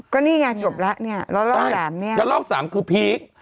ก็นี่ไงอยู่จบและเนี่ยละลอก๓คือพีค